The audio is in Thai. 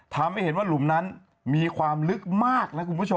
ทำให้เห็นว่าหลุมนั้นมีความลึกมาก